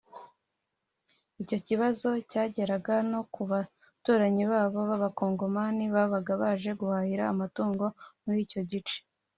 Icyo kibazo cyageraga no ku baturanyi babo b’Abakongomani babaga baje guhahira amatungo muri icyo gice